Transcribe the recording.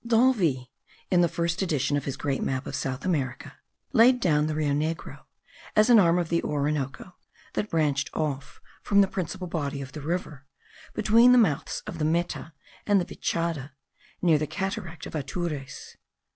D'Anville, in the first edition of his great map of South America, laid down the Rio Negro as an arm of the Orinoco, that branched off from the principal body of the river between the mouths of the Meta and the Vichada, near the cataract of Atures.